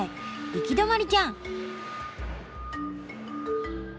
行き止まりじゃん。